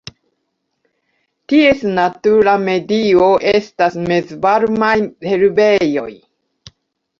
Ties natura medio estas mezvarmaj herbejoj.